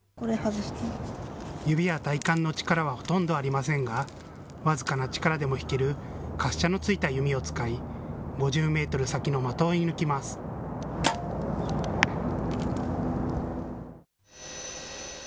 指や体幹の力はほとんどありませんが、僅かな力でも引ける滑車の付いた弓を使い、５０メートル先の的を射ぬきます。